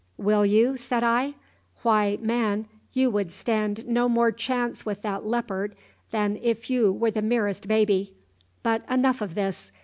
"Will you?" said I. "Why, man, you would stand no more chance with that leopard than if you were the merest baby. But enough of this.